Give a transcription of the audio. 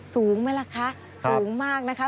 สูงไหมล่ะคะสูงมากนะคะ